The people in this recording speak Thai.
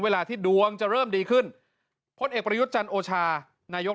เวลาที่ดวงจะเริ่มดีขึ้นพลเอกประยุทธ์จันโอชานายก